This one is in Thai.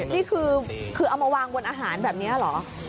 นี่คือเอามาวางบนอาหารแบบนี้เหรอ